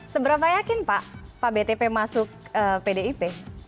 seberapa yakin pak pak btp masuk pdip